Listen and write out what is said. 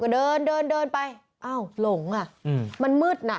ก็เดินไปอ้าวหลงอ่ะมันมืดน่ะ